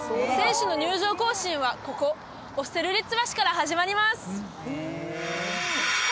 選手の入場行進はここオステルリッツ橋から始まります